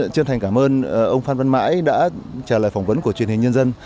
chân thành cảm ơn ông phan văn mãi đã trả lời phỏng vấn của truyền hình nhân dân